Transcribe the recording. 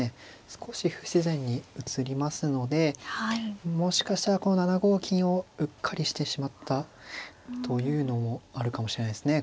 少し不自然に映りますのでもしかしたらこの７五金をうっかりしてしまったというのもあるかもしれないですね。